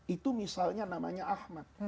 itu misalnya namanya ahmad